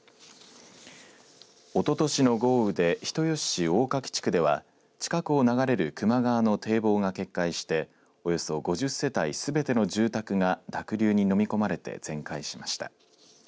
おととしの豪雨で人吉市大柿地区では近くを流れる球磨川の堤防が決壊しておよそ５０世帯すべての住宅が濁流に飲み込まれて全壊しました。